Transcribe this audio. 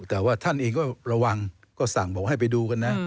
แต่ว่าท่านเองก็ระวังก็สั่งบอกให้ไปดูกันนะ